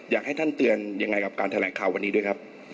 อยากให้ท่านเตือนยังไงกับการแถลงข่าววันนี้ด้วยครับ